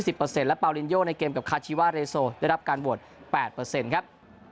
และปารินโยในเกมกับคาชีวาเรโซได้รับการโหวตแปดเปอร์เซ็นต์ครับ